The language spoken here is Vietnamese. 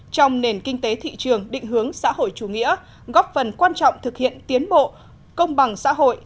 trong nền kinh tế thị trường định hướng xã hội chủ nghĩa góp phần quan trọng thực hiện tiến bộ công bằng xã hội